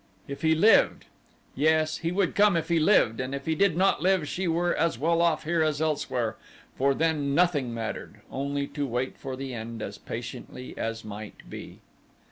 If he lived! Yes, he would come if he lived, and if he did not live she were as well off here as elsewhere, for then nothing mattered, only to wait for the end as patiently as might be.